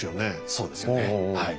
そうですよねはい。